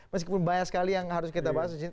meskipun banyak sekali yang harus kita bahas disini